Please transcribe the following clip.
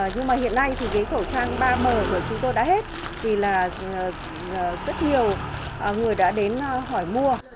nhưng mà hiện nay thì cái khẩu trang ba m của chúng tôi đã hết thì là rất nhiều người đã đến hỏi mua